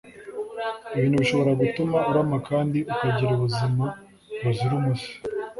ibintu bishobora gutuma urama kandi ukagira ubuzima buzira umuze